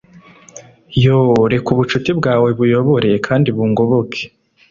yoo! reka ubucuti bwawe buyobore kandi bungoboke